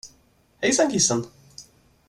Hejsan, kissen.